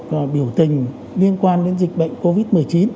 và một số cuộc biểu tình liên quan đến dịch bệnh covid một mươi chín